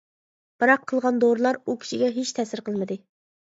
بىراق، قىلغان دورىلار ئۇ كىشىگە ھېچ تەسىر قىلمىدى.